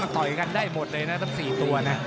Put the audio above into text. ต่อยกันได้หมดเลยนะทั้ง๔ตัวนะ